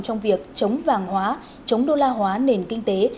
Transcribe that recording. trong việc chống vàng hóa chống đô la hóa nền kinh tế